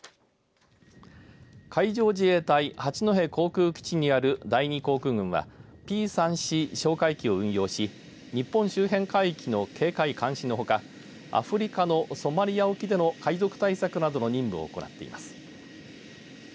海上自衛隊八戸航空基地にある第２航空群はＰ３Ｃ哨戒機を運用し日本周辺海域の警戒、監視のほかアフリカのソマリア沖での海賊対策などの任務を行っています。